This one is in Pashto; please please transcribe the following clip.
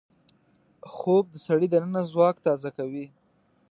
خوب د سړي دننه ځواک تازه کوي